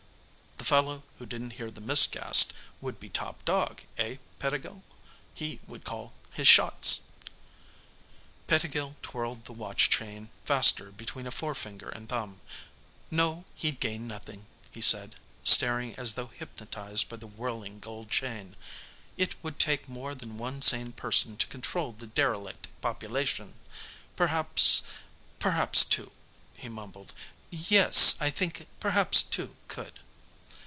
"The fellow who didn't hear the 'miscast' would be top dog, eh, Pettigill? He could call his shots." Pettigill twirled the watch chain faster between a forefinger and thumb. "No, he'd gain nothing," he said, staring as though hypnotized by the whirling, gold chain. "It would take more than one sane person to control the derelict population. Perhaps perhaps two," he mumbled. "Yes, I think perhaps two could."